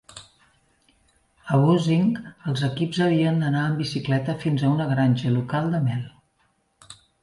A Buzzing, els equips havien d'anar amb bicicleta fins a una granja local de mel.